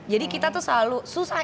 jadi kita selalu susah